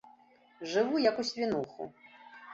Жыву, як у свінуху.